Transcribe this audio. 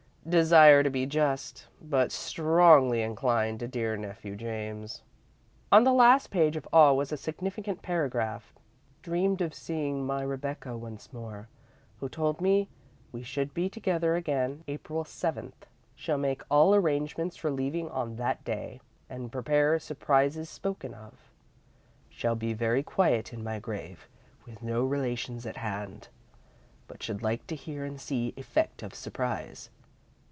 Desire to be just, but strongly incline to dear Nephew James." On the last page of all was a significant paragraph. "Dreamed of seeing my Rebecca once more, who told me we should be together again April 7th. Shall make all arrangements for leaving on that day, and prepare Surprises spoken of. Shall be very quiet in my grave with no Relations at hand, but should like to hear and see effect of Surprise.